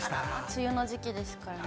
梅雨の時期ですからね。